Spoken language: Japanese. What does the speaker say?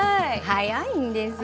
早いんですよ。